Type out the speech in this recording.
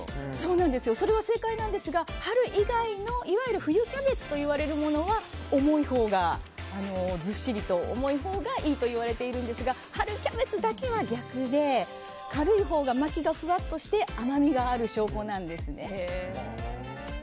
春以外のいわゆる冬キャベツといわれるものはずっしりと重いほうがいいと言われているんですが春キャベツだけは逆で軽いほうが巻きがふわっとして甘みがある証拠なんですね。